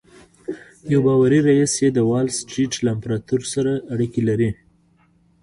یو باوري ريیس یې د وال سټریټ له امپراتور سره اړیکې لري